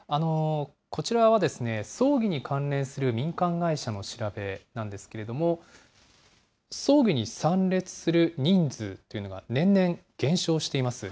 こちらは葬儀に関連する民間会社の調べなんですけれども、葬儀に参列する人数というのが、年々減少しています。